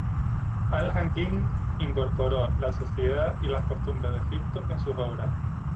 Al-Hakim incorporó la sociedad y las costumbres de Egipto en sus obras.